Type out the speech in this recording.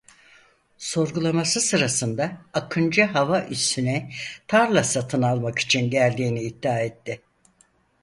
Sorgulaması sırasında Akıncı Hava Üssü'ne tarla satın almak için geldiğini iddia etti.